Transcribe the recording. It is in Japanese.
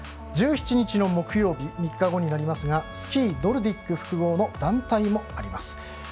１７日、木曜日３日後になりますがスキー・ノルディック複合の団体もあります。